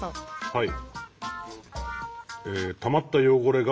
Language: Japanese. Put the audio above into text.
はい。